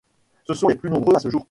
Ce sont les plus nombreux à ce jour.